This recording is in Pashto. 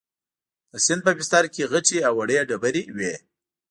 د سیند په بستر کې غټې او وړې ډبرې وې.